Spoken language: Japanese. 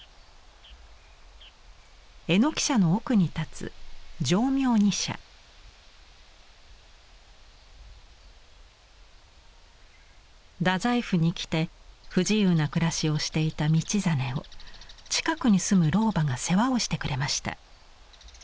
榎社の奥に立つ大宰府に来て不自由な暮らしをしていた道真を近くに住む老婆が世話をしてくれました。